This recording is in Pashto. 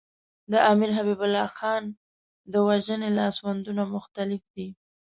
د امیر حبیب الله خان د وژنې لاسوندونه مختلف دي.